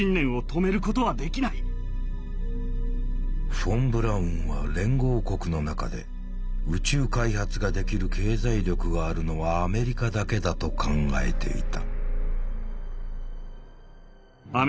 フォン・ブラウンは連合国の中で宇宙開発ができる経済力があるのはアメリカだけだと考えていた。